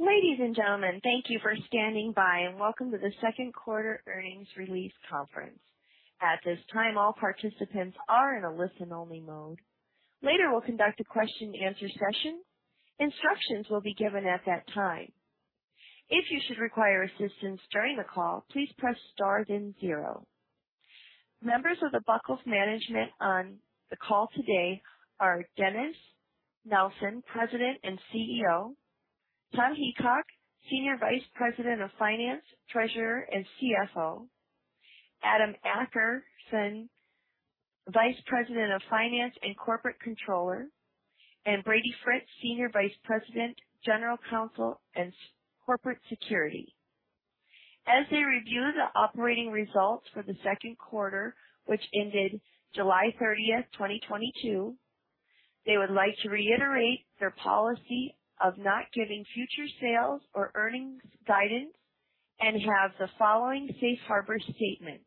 Ladies and gentlemen, thank you for standing by, and welcome to the second quarter earnings release conference. At this time, all participants are in a listen-only mode. Later, we'll conduct a question-and-answer session. Instructions will be given at that time. If you should require assistance during the call, please press star then zero. Members of The Buckle's management on the call today are Dennis Nelson, President and CEO, Tom Heacock, Senior Vice President of Finance, Treasurer, and CFO, Adam Akerson, Vice President of Finance and Corporate Controller, and Brady Fritz, Senior Vice President, General Counsel and Corporate Secretary. As they review the operating results for the second quarter, which ended July 30, 2022, they would like to reiterate their policy of not giving future sales or earnings guidance and have the following safe harbor statement.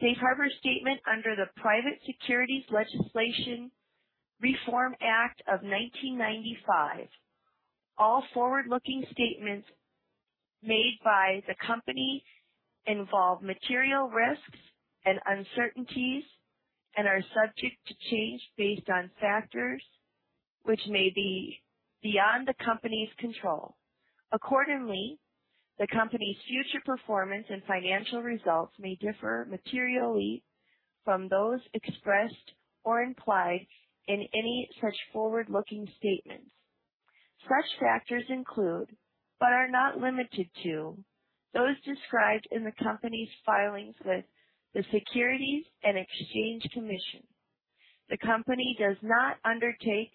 Safe harbor statement under the Private Securities Litigation Reform Act of 1995. All forward-looking statements made by the company involve material risks and uncertainties and are subject to change based on factors which may be beyond the company's control. Accordingly, the company's future performance and financial results may differ materially from those expressed or implied in any such forward-looking statements. Such factors include, but are not limited to, those described in the company's filings with the Securities and Exchange Commission. The company does not undertake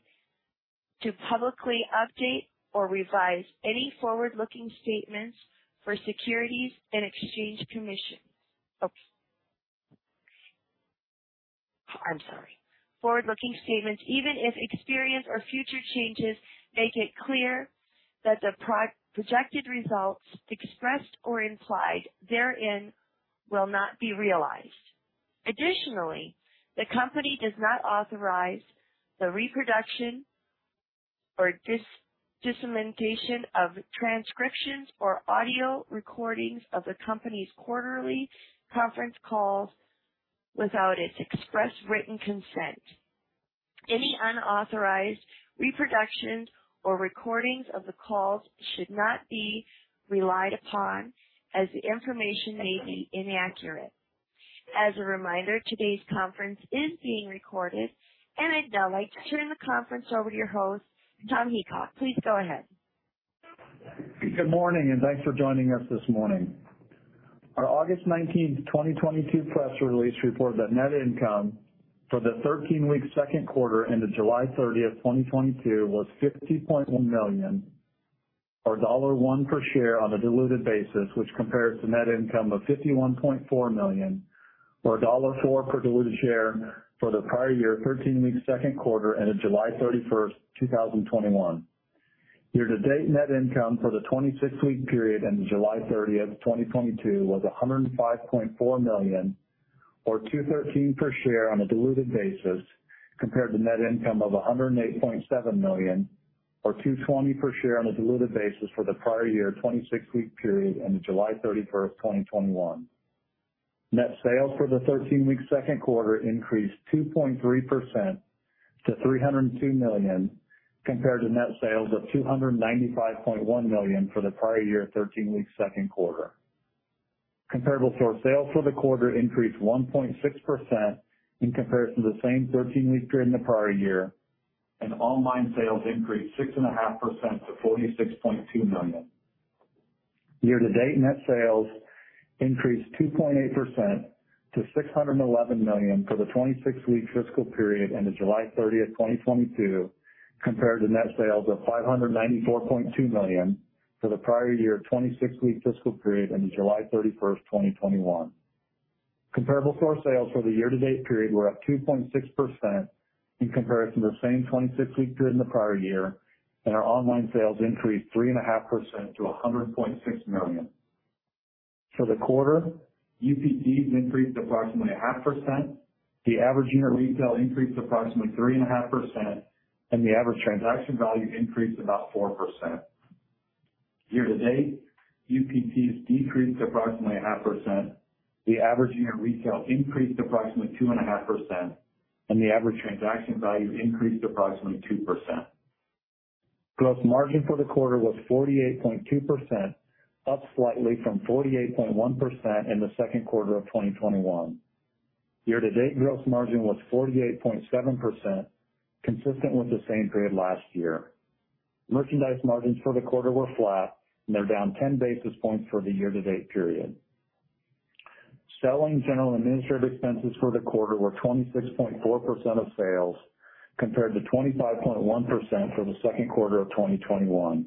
to publicly update or revise any forward-looking statements, even if experience or future changes make it clear that the projected results, expressed or implied therein, will not be realized. Additionally, the company does not authorize the reproduction or dissemination of transcriptions or audio recordings of the company's quarterly conference calls without its express written consent. Any unauthorized reproductions or recordings of the calls should not be relied upon as the information may be inaccurate. As a reminder, today's conference is being recorded. I'd now like to turn the conference over to your host, Tom Heacock. Please go ahead. Good morning, and thanks for joining us this morning. Our August 19, 2022 press release reported that net income for the 13-week second quarter ended July 30, 2022 was $50.1 million or $1 per share on a diluted basis, which compares to net income of $51.4 million or $1.04 per diluted share for the prior year, 13-week second quarter ended July 31, 2021. Year-to-date net income for the 26-week period ended July 30, 2022 was $105.4 million or $2.13 per share on a diluted basis, compared to net income of $108.7 million or $2.20 per share on a diluted basis for the prior year, 26-week period ended July 31, 2021. Net sales for the 13-week second quarter increased 2.3% to $302 million, compared to net sales of $295.1 million for the prior year, 13-week second quarter. Comparable store sales for the quarter increased 1.6% in comparison to the same 13-week period in the prior year, and online sales increased 6.5% to $46.2 million. Year-to-date net sales increased 2.8% to $611 million for the 26 week fiscal period ended July 30, 2022, compared to net sales of $594.2 million for the prior year, 26 week fiscal period ended July 31st, 2021. Comparable store sales for the year-to-date period were up 2.6% in comparison to the same 26-week period in the prior year, and our online sales increased 3.5% to $106.6 million. For the quarter, UPTs increased approximately 0.5%. The average unit retail increased approximately 3.5%, and the average transaction value increased about 4%. Year-to-date, UPTs decreased approximately 0.5%. The average unit retail increased approximately 2.5%, and the average transaction value increased approximately 2%. Gross margin for the quarter was 48.2%, up slightly from 48.1% in the second quarter of 2021. Year-to-date gross margin was 48.7%, consistent with the same period last year. Merchandise margins for the quarter were flat, and they're down 10 basis points for the year to date period. Selling, general, and administrative expenses for the quarter were 26.4% of sales, compared to 25.1% for the second quarter of 2021.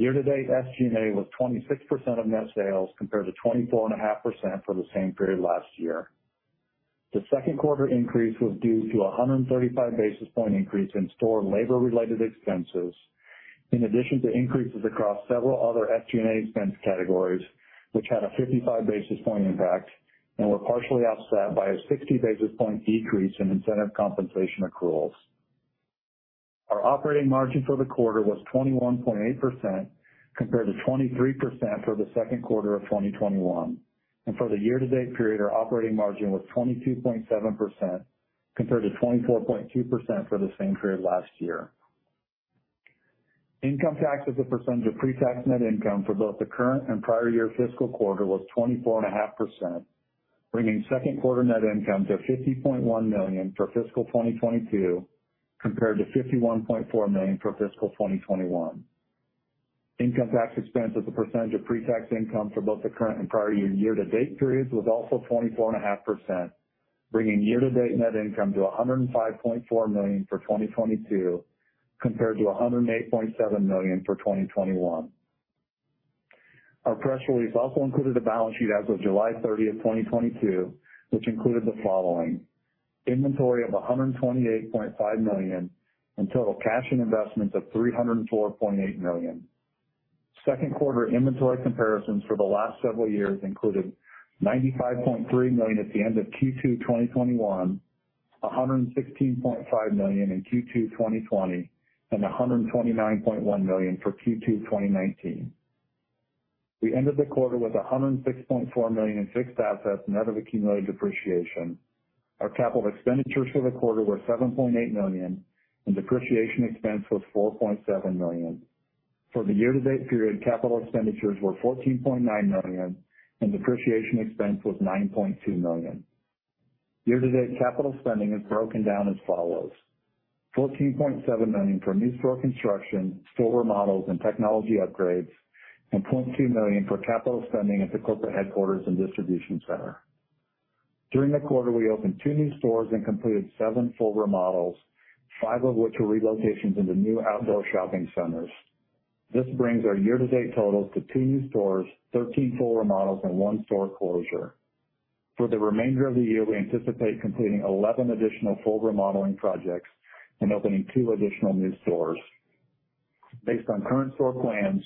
Year to date SG&A was 26% of net sales, compared to 24.5% for the same period last year. The second quarter increase was due to a 135 basis point increase in store labor-related expenses, in addition to increases across several other SG&A expense categories, which had a 55 basis point impact and were partially offset by a 60 basis point decrease in incentive compensation accruals. Our operating margin for the quarter was 21.8% compared to 23% for the second quarter of 2021. For the year-to-date period, our operating margin was 22.7% compared to 24.2% for the same period last year. Income tax as a % of pre-tax net income for both the current and prior year fiscal quarter was 24.5%, bringing second quarter net income to $50.1 million for fiscal 2022 compared to $51.4 million for fiscal 2021. Income tax expense as a % of pre-tax income for both the current and prior year-to-date periods was also 24.5%, bringing year-to-date net income to $105.4 million for 2022 compared to $108.7 million for 2021. Our press release also included a balance sheet as of July 13th, 2022, which included the following, inventory of $128.5 million and total cash and investments of $304.8 million. Second quarter inventory comparisons for the last several years included $95.3 million at the end of Q2 2021, $116.5 million in Q2 2020, and $129.1 million for Q2 2019. We ended the quarter with $106.4 million in fixed assets net of accumulated depreciation. Our capital expenditures for the quarter were $7.8 million, and depreciation expense was $4.7 million. For the year-to-date period, capital expenditures were $14.9 million, and depreciation expense was $9.2 million. Year-to-date capital spending is broken down as follows, $14.7 million for new store construction, store remodels, and technology upgrades, and $0.2 million for capital spending at the corporate headquarters and distribution center. During the quarter, we opened two new stores and completed seven full remodels, five of which were relocations into new outdoor shopping centers. This brings our year-to-date totals to two new stores, 13 full remodels, and one store closure. For the remainder of the year, we anticipate completing 11 additional full remodeling projects and opening two additional new stores. Based on current store plans,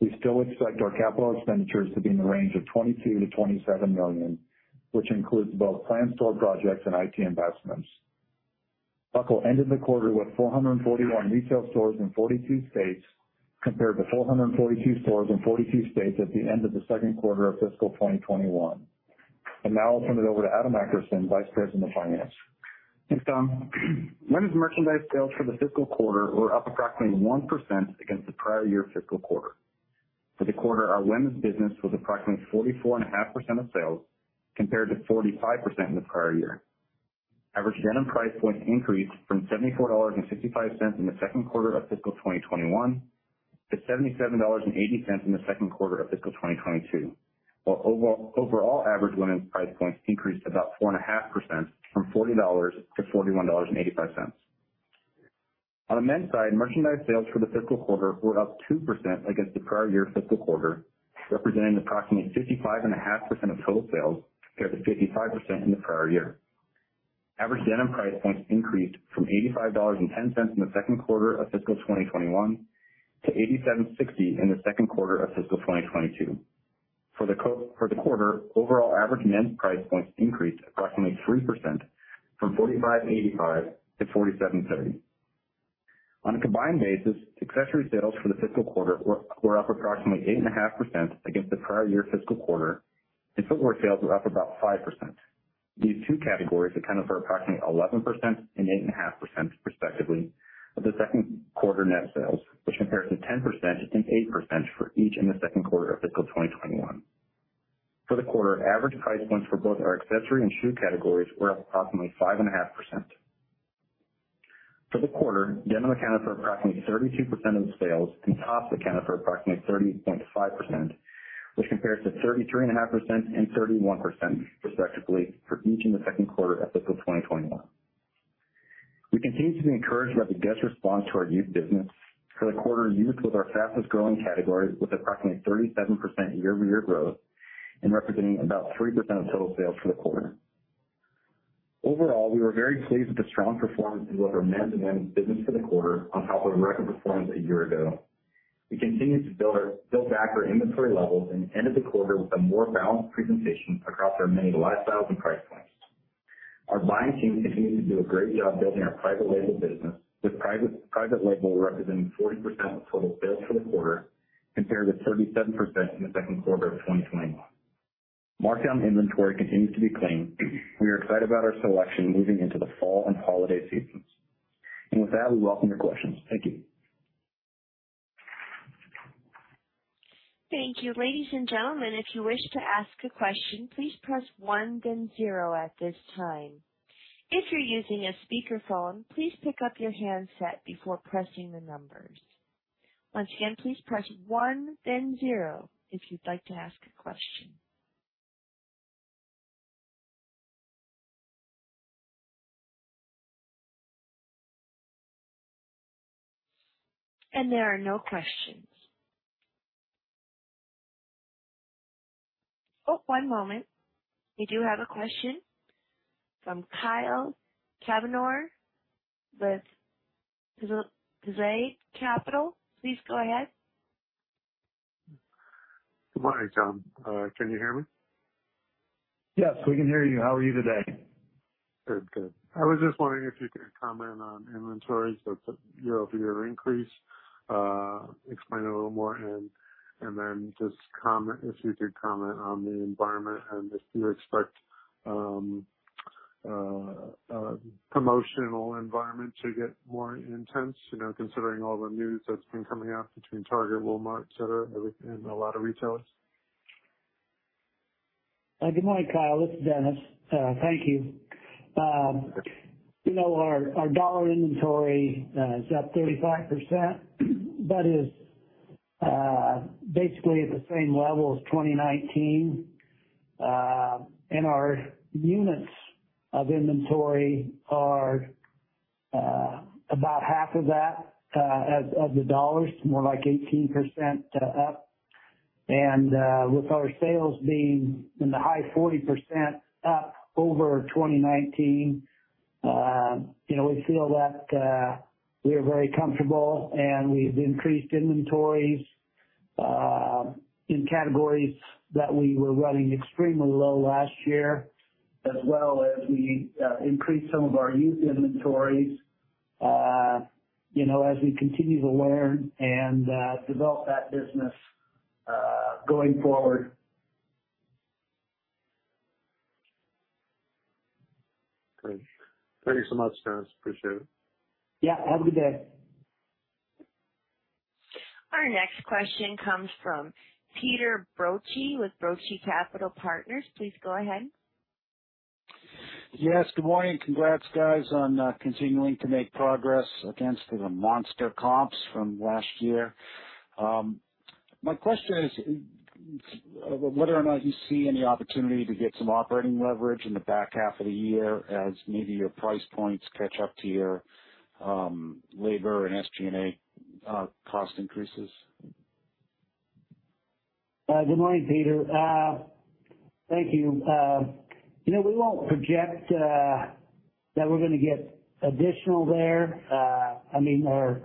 we still expect our capital expenditures to be in the range of $22 million-$27 million, which includes both planned store projects and IT investments. Buckle ended the quarter with 441 retail stores in 42 states, compared to 442 stores in 42 states at the end of the second quarter of fiscal 2021. Now I'll turn it over to Adam Akerson, Vice President of Finance. Thanks, Tom. Women's merchandise sales for the fiscal quarter were up approximately 1% against the prior year fiscal quarter. For the quarter, our women's business was approximately 44.5% of sales compared to 45% in the prior year. Average denim price points increased from $74.65 in the second quarter of fiscal 2021 to $77.80 in the second quarter of fiscal 2022. While overall average women's price points increased about 4.5% from $40 to $41.85. On the men's side, merchandise sales for the fiscal quarter were up 2% against the prior year fiscal quarter, representing approximately 55.5% of total sales compared to 55% in the prior year. Average denim price points increased from $85.10 in the second quarter of fiscal 2021 to $87.60 in the second quarter of fiscal 2022. For the quarter, overall average men's price points increased approximately 3% from $45.85 to $47.30. On a combined basis, accessory sales for the fiscal quarter were up approximately 8.5% against the prior year fiscal quarter, and footwear sales were up about 5%. These two categories accounted for approximately 11% and 8.5%, respectively, of the second quarter net sales, which compares to 10% and 8% for each in the second quarter of fiscal 2021. For the quarter, average price points for both our accessory and shoe categories were up approximately 5.5%. For the quarter, denim accounted for approximately 32% of the sales, and tops accounted for approximately 30.5%, which compares to 33.5% and 31%, respectively, for each in the second quarter of fiscal 2021. We continue to be encouraged by the guest response to our youth business. For the quarter, youth was our fastest growing category with approximately 37% year-over-year growth and representing about 3% of total sales for the quarter. Overall, we were very pleased with the strong performance of both our men's and women's business for the quarter on top of a record performance a year ago. We continued to build back our inventory levels and ended the quarter with a more balanced presentation across our many lifestyles and price points. Our buying team continued to do a great job building our private label business, with private label representing 40% of total sales for the quarter compared to 37% in the second quarter of 2021. Markdown inventory continues to be clean. We are excited about our selection moving into the fall and holiday seasons. With that, we welcome your questions. Thank you. Thank you. Ladies and gentlemen, if you wish to ask a question, please press one then zero at this time. If you're using a speakerphone, please pick up your handset before pressing the numbers. Once again, please press one then zero if you'd like to ask a question. There are no questions. Oh, one moment. We do have a question from Kyle Kavanaugh from Capital. Please go ahead. Good morning, Tom. Can you hear me? Yes, we can hear you. How are you today? Good. Good. I was just wondering if you could comment on inventories that year-over-year increase, explain a little more, and then if you could comment on the environment and if you expect promotional environment to get more intense, you know, considering all the news that's been coming out between Target, Walmart, et cetera, and a lot of retailers. Good morning, Kyle. This is Dennis. Thank you. You know, our dollar inventory is up 35%. That is basically at the same level as 2019. Our units of inventory are about half of that, as the dollars, more like 18% up. With our sales being in the high 40% up over 2019, you know, we feel that we are very comfortable and we've increased inventories in categories that we were running extremely low last year, as well as we increased some of our youth inventories, you know, as we continue to learn and develop that business going forward. Great. Thank you so much, Dennis. Appreciate it. Yeah, have a good day. Our next question comes from Peter Bozzi with Bozzi Capital Partners. Please go ahead. Yes, good morning. Congrats, guys, on continuing to make progress against the monster comps from last year. My question is whether or not you see any opportunity to get some operating leverage in the back half of the year as maybe your price points catch up to your, labor and SG&A, cost increases? Good morning, Peter. Thank you. You know, we won't project that we're gonna get additional there. I mean, our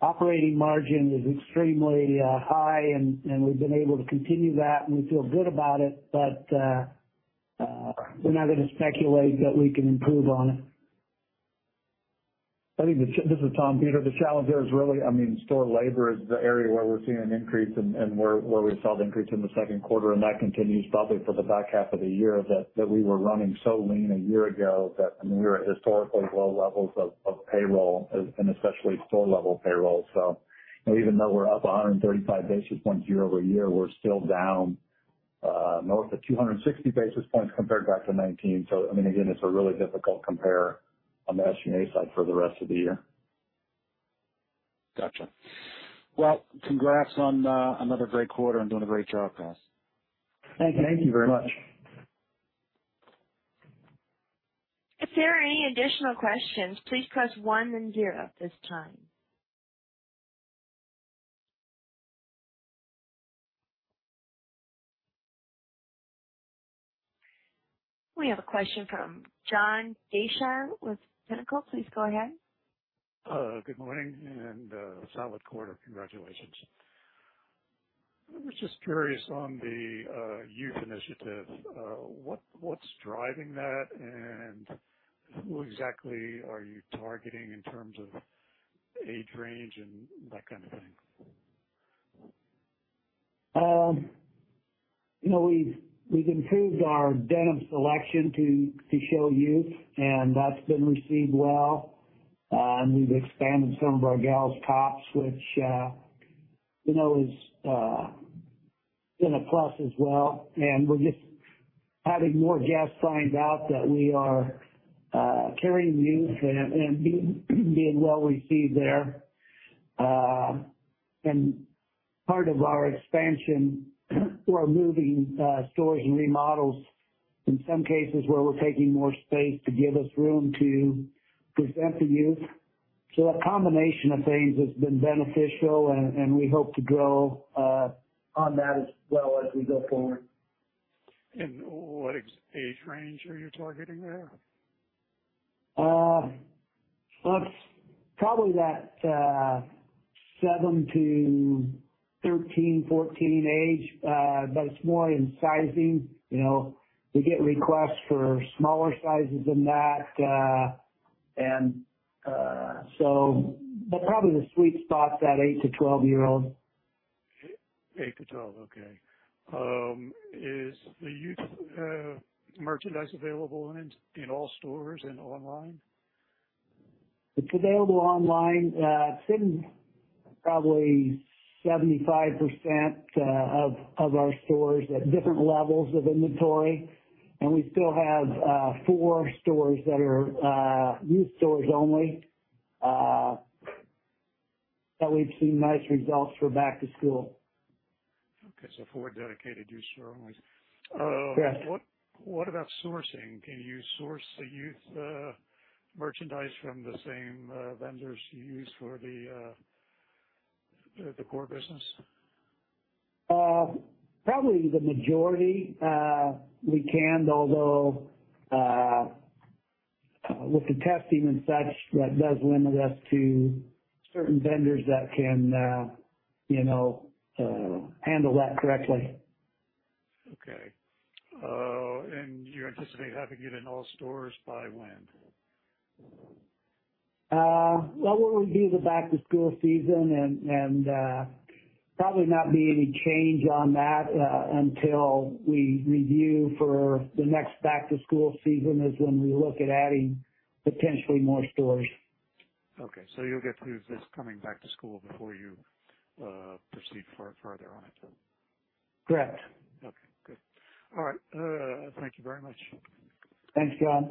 operating margin is extremely high and we've been able to continue that, and we feel good about it. We're not gonna speculate that we can improve on it. I think. This is Tom. Peter, the challenge there is really. I mean, store labor is the area where we're seeing an increase and where we saw the increase in the second quarter, and that continues probably for the back half of the year that we were running so lean a year ago that. I mean, we were at historically low levels of payroll and especially store level payroll. Even though we're up 135 basis points year-over-year, we're still down north of 260 basis points compared back to 2019. I mean, again, it's a really difficult compare on the SG&A side for the rest of the year. Gotcha. Well, congrats on another great quarter and doing a great job, guys. Thank you. Thank you very much. If there are any additional questions, please press one and zero at this time. We have a question from John Geisler with Pinnacle. Please go ahead. Good morning, solid quarter. Congratulations. I was just curious on the youth initiative. What's driving that, and who exactly are you targeting in terms of age range and that kind of thing? You know, we've improved our denim selection to show youth, and that's been received well. We've expanded some of our girls' tops, which, you know, has been a plus as well. We're just having more guests find out that we are carrying youth and being well received there. Part of our expansion through our moving stores and remodels in some cases where we're taking more space to give us room to present the youth. A combination of things has been beneficial and we hope to grow on that as well as we go forward. What age range are you targeting there? That's probably that 7-13, 14 age. It's more in sizing. You know, we get requests for smaller sizes than that. Probably the sweet spot is that 8-12-year-old. 8-12. Okay. Is the youth merchandise available in all stores and online? It's available online. It's in probably 75% of our stores at different levels of inventory. We still have four stores that are youth stores only, that we've seen nice results for back to school. Okay. Four dedicated youth stores only. Yes. What about sourcing? Can you source the youth merchandise from the same vendors you use for the core business? Probably the majority, we can, although with the testing and such, that does limit us to certain vendors that can, you know, handle that correctly. Okay. You anticipate having it in all stores by when? Well, we'll review the back-to-school season and probably not be any change on that until we review for the next back-to-school season is when we look at adding potentially more stores. You'll get through this coming back to school before you proceed further on it then? Correct. Okay, good. All right. Thank you very much. Thanks, John.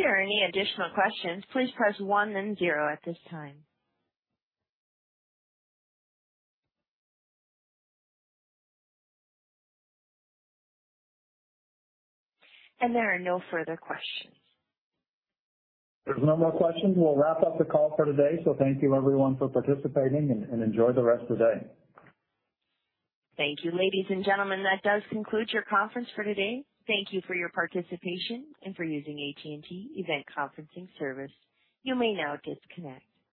If there are any additional questions, please press one then zero at this time. There are no further questions. If there's no more questions, we'll wrap up the call for today. Thank you everyone for participating and enjoy the rest of the day. Thank you, ladies and gentlemen. That does conclude your conference for today. Thank you for your participation and for using AT&T Event Conferencing service. You may now disconnect.